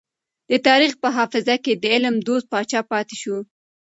د تاريخ په حافظه کې د علم دوست پاچا پاتې شو.